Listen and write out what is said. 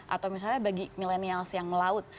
atau misalnya bagi milenials yang melaut